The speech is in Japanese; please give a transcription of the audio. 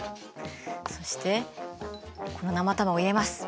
そしてこの生卵入れます。